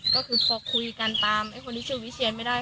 ก็คือพอคุยกันตามไอ้คนที่ชื่อวิเชียนไม่ได้